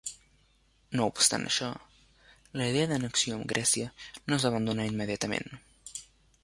No obstant això, la idea d'annexió amb Grècia no es va abandonar immediatament.